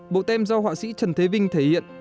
bộ tem do họa sĩ trần thế vinh thể hiện